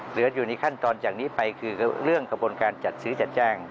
เหลืออยู่ในขั้นตอนจากนี้ไปคือเรื่องกระบวนการจัดซื้อจัดจ้าง